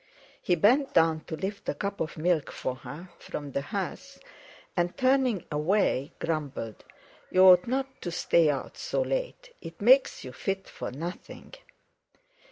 He bent down to lift the cup of milk for her from the hearth, and, turning away, grumbled: "You oughtn't to stay out so late; it makes you fit for nothing."